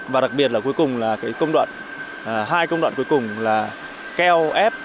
và đặc biệt là cuối cùng là cái công đoạn hai công đoạn cuối cùng là keo ép